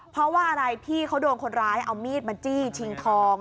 เพราะว่าอะไรพี่เขาโดนคนร้ายเอามีดมาจี้ชิงทอง